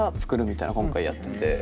みたいなのを今回やってて。